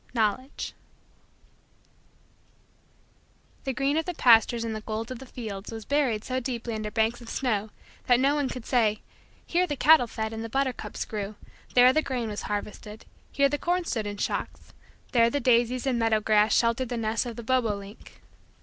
KNOWLEDGE The green of the pastures and the gold of the fields was buried so deeply under banks of snow that no one could say: "Here the cattle fed and the buttercups grew; there the grain was harvested; here the corn stood in shocks; there the daisies and meadow grass sheltered the nest of the bobo link."